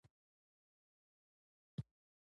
فېسبوک د هنر د ودې او پرمختګ لپاره کار کوي